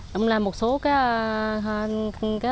đó là một số các